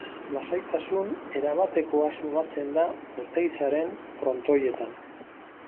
Lasaitasun erabatekoa sumatzen da Oteizaren Frontoietan.